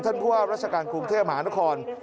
ผู้ว่าราชการกรุงเทพมหานคร